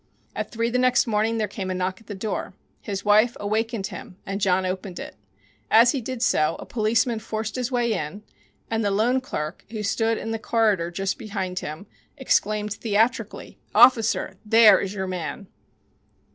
At three the next morning there came a knock at the door. His wife awakened him and John opened it. As he did so a policeman forced his way in, and the loan clerk, who stood in the corridor just behind him, exclaimed theatrically, "Officer, there is your man!"